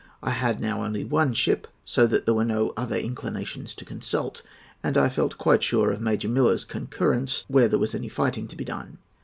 I had now only one ship, so that there were no other inclinations to consult; and I felt quite sure of Major Miller's concurrence where there was any fighting to be done.